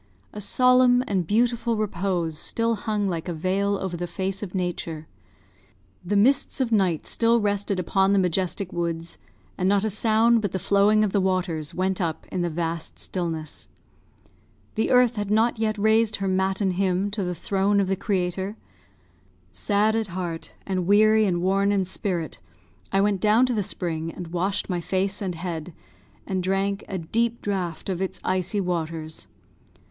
A solemn and beautiful repose still hung like a veil over the face of Nature. The mists of night still rested upon the majestic woods, and not a sound but the flowing of the waters went up in the vast stillness. The earth had not yet raised her matin hymn to the throne of the Creator. Sad at heart, and weary and worn in spirit, I went down to the spring and washed my face and head, and drank a deep draught of its icy waters.